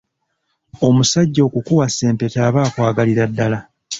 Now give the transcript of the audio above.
Omusajja okukuwasa empeta aba akwagalira ddala.